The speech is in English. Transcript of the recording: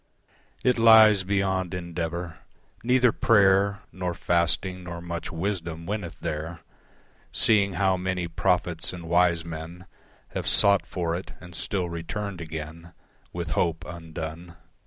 It lies beyond endeavour; neither prayer Nor fasting, nor much wisdom winneth there, Seeing how many prophets and wise men Have sought for it and still returned again With hope undone.